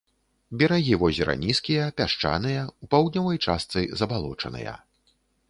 Берагі возера нізкія, пясчаныя, у паўднёвай частцы забалочаныя.